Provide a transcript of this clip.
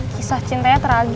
kisah cintanya tragis